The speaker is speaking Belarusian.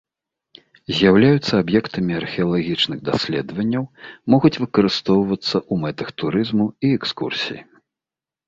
З'яўляюцца аб'ектамі археалагічных даследаванняў, могуць выкарыстоўвацца ў мэтах турызму і экскурсій.